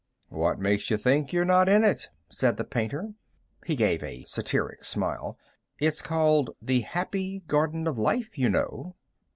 "What makes you think you're not in it?" said the painter. He gave a satiric smile. "It's called 'The Happy Garden of Life,' you know."